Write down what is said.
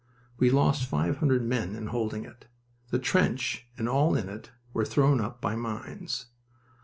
We lost five hundred men in holding it. The trench and all in it were thrown up by mines.